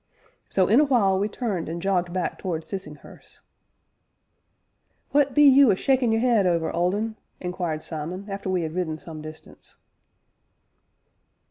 So, in a while, we turned and jogged back towards Sissinghurst. "What be you a shakin' your 'ead over, Old Un?" inquired Simon, after we had ridden some distance.